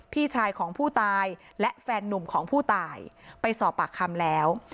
พี่ชายของผู้ตายและแฟนนุ่มของผู้ตายไปสอบปากคำแล้ว